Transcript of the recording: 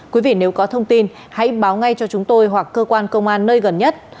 quý vị nếu có thông tin hãy báo ngay cho chúng tôi hoặc cơ quan công an nơi gần nhất